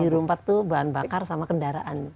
euro empat itu bahan bakar sama kendaraan